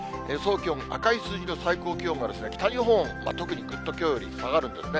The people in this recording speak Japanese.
気温、赤い数字の最高気温が北日本、特にぐっときょうより下がるんですね。